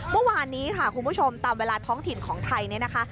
เมื่อวานนี้ค่ะคุณผู้ชมตามเวลาท้องถิ่นของไทยเนี่ยนะคะ